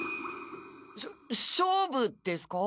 しょ勝負ですか？